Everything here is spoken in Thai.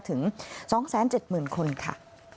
ถึง๒๗๐๐๐คนค่ะ